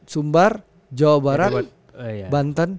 sumbar jawa barat banten